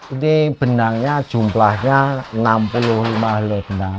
ini benangnya jumlahnya enam puluh lima helai benang